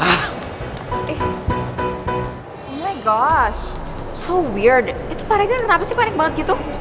eh oh my gosh so weird itu pak regan kenapa sih panik banget gitu